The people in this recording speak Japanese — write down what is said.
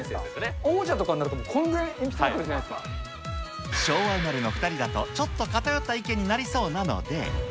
王者とかになると、昭和生まれの２人だと、ちょっと偏った意見になりそうなので。